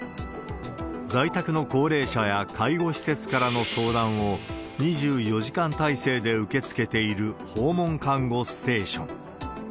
在宅の高齢者や介護施設からの相談を２４時間体制で受け付けている訪問看護ステーション。